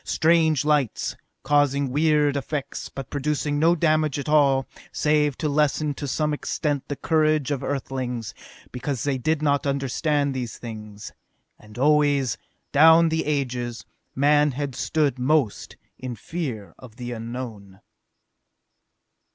Strange lights, causing weird effects, but producing no damage at all, save to lessen to some extent the courage of Earthlings, because they did not understand these things. And always, down the ages, man had stood most in fear of the Unknown.